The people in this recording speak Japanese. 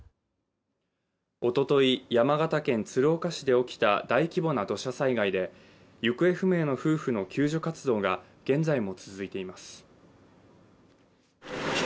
おととい、山形県鶴岡市で起きた大規模な土砂災害で行方不明の夫婦の救助活動が現在も続いています。